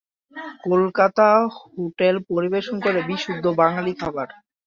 Kolkata hotel পরিবেশন করে বিশুদ্ধ বাঙালী খাবার।